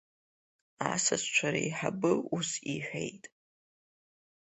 Асасцәа реиҳабы ус иҳәеит…